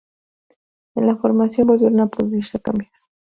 En la formación volvieron a producirse cambios.